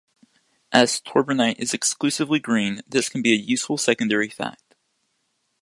As torbernite is exclusively green, this can be a useful secondary fact.